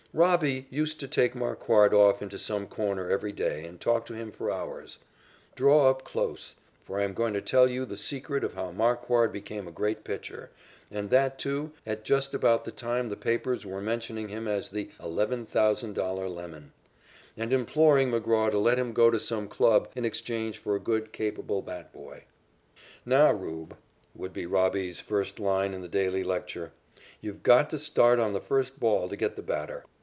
"Robbie" used to take Marquard off into some corner every day and talk to him for hours. Draw up close, for I am going to tell you the secret of how Marquard became a great pitcher and that, too, at just about the time the papers were mentioning him as the "$11,000 lemon," and imploring McGraw to let him go to some club in exchange for a good capable bat boy. "Now 'Rube,'" would be "Robbie's" first line in the daily lecture, "you've got to start on the first ball to get the batter.